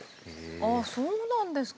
あっそうなんですか。